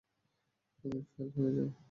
আমি ফেল হয়ে যাও।